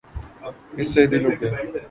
اس سے دل اٹھ گیا۔